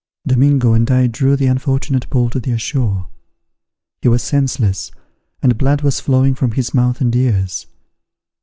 Domingo and I drew the unfortunate Paul to the ashore. He was senseless, and blood was flowing from his mouth and ears.